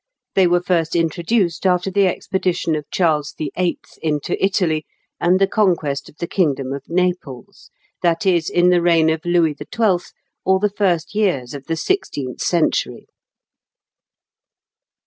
They were first introduced after the expedition of Charles VIII. into Italy, and the conquest of the kingdom of Naples; that is, in the reign of Louis XII., or the first years of the sixteenth century.